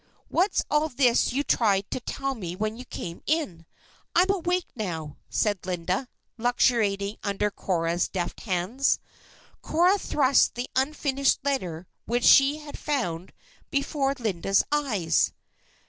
what's all this you tried to tell me when you came in? I'm awake now," said Linda, luxuriating under Cora's deft hands. Cora thrust the unfinished letter which she had found before Linda's eyes.